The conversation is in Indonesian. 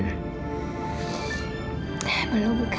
kava belum bebuk ya